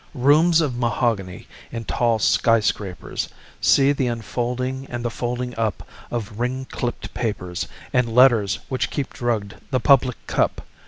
Rooms of mahogany in tall sky scrapers See the unfolding and the folding up Of ring clipped papers, And letters which keep drugged the public cup.